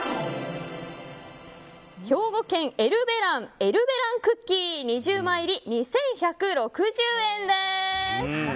兵庫県、エルベランエルベランクッキー２０枚入り２１６０円です。